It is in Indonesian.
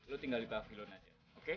lo tinggal di pavilion aja